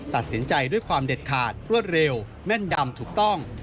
ตัดสินใจด้วยความเด็ดขาดรวดเร็วแม่นดำถูกต้อง